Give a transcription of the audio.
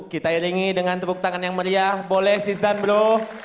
kita iringi dengan tepuk tangan yang meriah boleh sistan bro